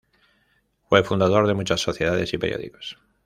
Fue fundador de muchas sociedades y periódicos.